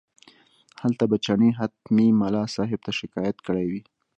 هلته به چڼي حتمي ملا صاحب ته شکایت کړی وي.